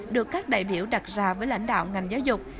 được các đại biểu đặt ra với lãnh đạo ngành giáo dục